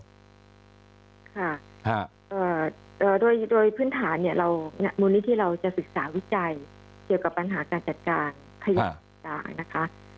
ค่ะโดยพื้นฐานมูลณิธิเราจะศึกษาวิจัยเกี่ยวกับปัญหาการจัดการขยะพลาสติก